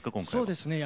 そうですね。